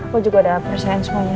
aku juga udah penyersaian semuanya